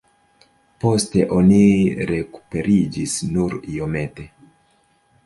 Poste oni rekuperiĝis nur iomete.